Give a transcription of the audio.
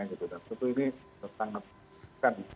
ini sangat mengagetkan